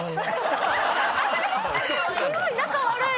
すごい仲悪い